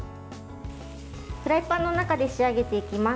フライパンの中で仕上げていきます。